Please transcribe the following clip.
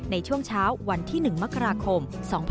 ในช่วงเช้าวันที่๑มกราคม๒๕๖๒